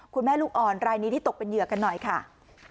ลูกอ่อนรายนี้ที่ตกเป็นเหยื่อกันหน่อยค่ะ